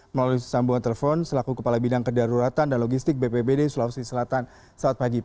melalui sambungan telepon selaku kepala bidang kedaruratan dan logistik bpd selatan saat pagi pagi